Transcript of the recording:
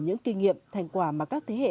những kinh nghiệm thành quả mà các thế hệ